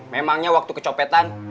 memangnya waktu kecopetan